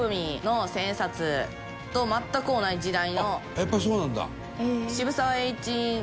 やっぱりそうなんだ！